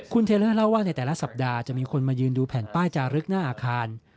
คุณเทลเลอร์เล่าว่าในแต่ละสัปดาห์จะมีคนมายืนดูแผ่นป้ายจารึกหน้าอาคาร